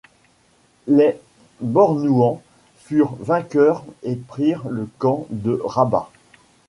Les Bornouans furent vainqueurs et prirent le camp de Rabah.